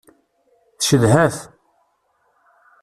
Tcedha-t.